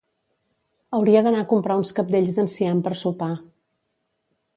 Hauria d'anar a comprar uns cabdells d'enciam per sopar